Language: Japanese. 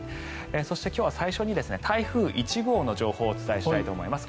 そして、今日は最初に台風１号の情報をお伝えしたいと思います。